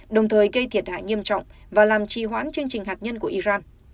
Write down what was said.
đồng thời gây thiệt hại nghiêm trọng và làm trì hoãn chương trình hạt nhân của iran